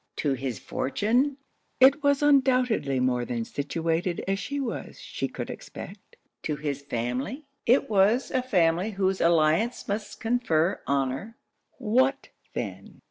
'To his fortune?' 'It was undoubtedly more than situated as she was she could expect.' 'To his family?' 'It was a family whose alliance must confer honour.' 'What then?'